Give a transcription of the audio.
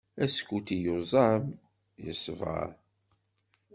Askuti yuẓam, yesber.